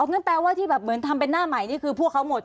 งั้นแปลว่าที่แบบเหมือนทำเป็นหน้าใหม่นี่คือพวกเขาหมด